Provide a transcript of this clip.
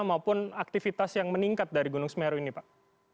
maupun aktivitas yang meningkat dari gunung semeru ini pak